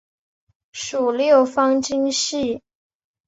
属六方晶系。